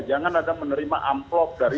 jangan ada menerima amplop dari